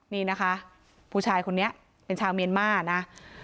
นี่นะคะผู้ชายคนนี้เป็นชาวเมียนมานะ